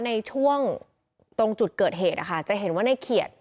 ในช่วงตรงจุดเกิดเหตุนะคะจะเห็นว่าในเขียด